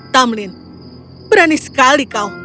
tamlin berani sekali kau